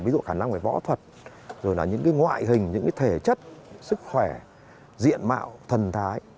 ví dụ khả năng về võ thuật rồi là những cái ngoại hình những thể chất sức khỏe diện mạo thần thái